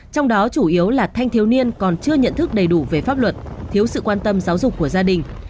trong đó chủ yếu là thanh thiếu niên còn chưa nhận thức đầy đủ về pháp luật thiếu sự quan tâm giáo dục của gia đình